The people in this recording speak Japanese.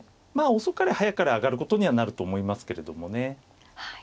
遅かれ早かれ上がることにはなると思いますけれどもね。